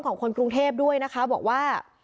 ของคนกรุงเทพด้วยนะคะบอกว่า